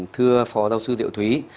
thưa phó giáo sư diệu thúy